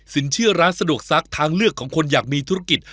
เชื่อร้านสะดวกซักทางเลือกของคนอยากมีธุรกิจ